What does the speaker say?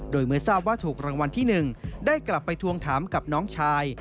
โดยเมื่อทราบว่าถูกรางวัลที่๑ได้กลับไปทวงถามกับน้องชาย